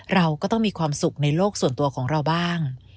เราก็ต้องมีความสุขในโลกส่วนตัวของเราบ้าง